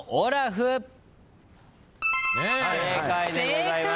正解でございます。